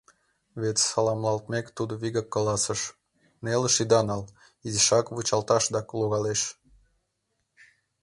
Вет саламлалтмек, тудо вигак каласыш: «Нелеш ида нал, изишак вучалташда логалеш».